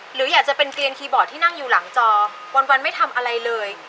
หรืออยากจะเป็นเกลียนคีย์บอร์ดที่นั่งอยู่หลังจอวันไม่ทำอะไรเลย